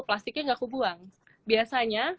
plastiknya gak kubuang biasanya